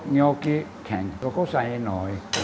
นิโยคิแข็งแล้วก็ใส่หน่อย